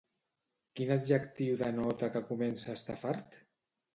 Quin adjectiu denota que comença a estar fart?